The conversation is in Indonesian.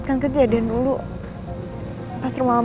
ku yakin kau tahu